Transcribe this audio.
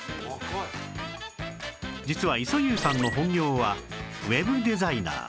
実は磯遊さんの本業はウェブデザイナー